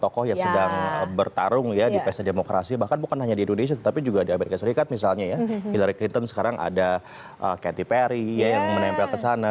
tokoh yang sedang bertarung ya di pesta demokrasi bahkan bukan hanya di indonesia tetapi juga di amerika serikat misalnya ya hillary clinton sekarang ada catty perry yang menempel ke sana